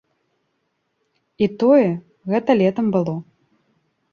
І тое, гэта летам было.